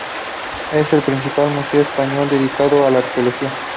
Es el principal museo español dedicado a la arqueología.